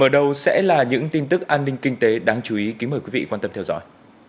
đây sẽ là những tin tức an ninh kinh tế đáng chú ý kính mời quý vị quan tâm theo dõi